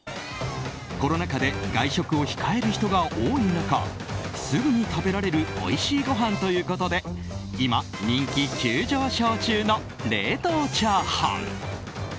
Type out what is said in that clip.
コロナ禍で外食を控える人が多い中すぐに食べられるおいしいご飯ということで今、人気急上昇中の冷凍チャーハン。